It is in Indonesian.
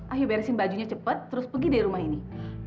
ayo beresin bajunya cepet terus pergi deh rumah ini